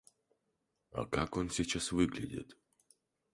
А как он сейчас выглядит?